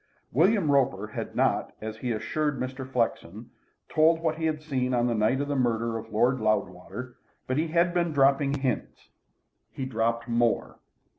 William Roper had not, as he had assured Mr. Flexen, told what he had seen on the night of the murder of Lord Loudwater, but he had been dropping hints. He dropped more.